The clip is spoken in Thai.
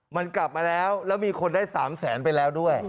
มันกลับมาแล้วแล้วมีคนได้๓แสนไปแล้วด้วย